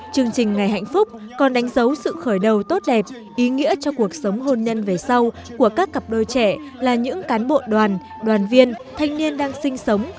chương trình ngày hạnh phúc còn đánh dấu sự khởi đầu tốt đẹp ý nghĩa cho cuộc sống hôn nhân về sau của các cặp đôi trẻ là những cán bộ đoàn đoàn viên thanh niên đang sinh sống